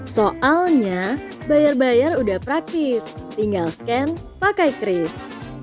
soalnya bayar bayar udah praktis tinggal scan pakai cris